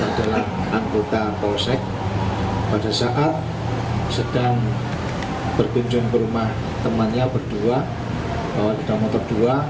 adalah anggota polsek pada saat sedang berkunjung ke rumah temannya berdua bawa sepeda motor dua